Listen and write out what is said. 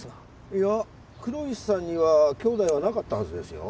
いや黒丑さんには兄弟はなかったはずですよ。